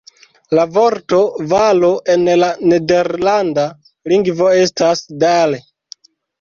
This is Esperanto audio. La vorto valo en la nederlanda lingvo estas "dal".